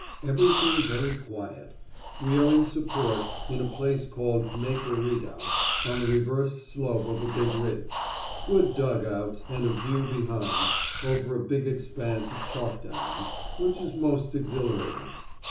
Everything very quiet. We are in support, in a place called Maple Redoubt, on the reverse slope of a big ridge. Good dug outs, and a view behind, over a big expanse of chalk downs, which is most exhilarating.